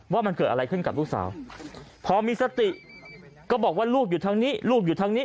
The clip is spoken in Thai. ว่ามันเกิดอะไรขึ้นกับลูกสาวพอมีสติก็บอกว่าลูกอยู่ทางนี้ลูกอยู่ทางนี้